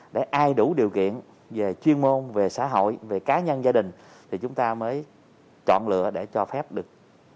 để ai đủ điều kiện về chuyên môn về xã hội về cá nhân gia đình thì chúng ta mới chọn lựa để cho phép được